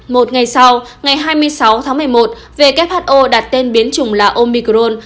một ngày sau ngày hai mươi sáu một mươi một who đặt tên biến chủng là omicron